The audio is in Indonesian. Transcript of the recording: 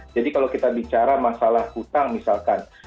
jadi kalau kita bicara masalah hutang misalkan